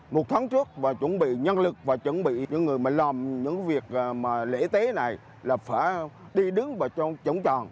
một tháng trước và chuẩn bị nhân lực và chuẩn bị những người mà làm những việc mà lễ tế này là phải đi đứng và chồng tròn